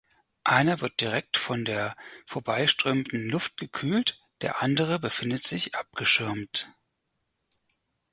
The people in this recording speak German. Einer wird direkt von der vorbei strömenden Luft gekühlt, der andere befindet sich abgeschirmt.